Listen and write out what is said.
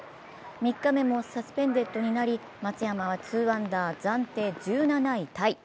３日目もサスペンデッドになり松山は２アンダー、暫定１７位タイ。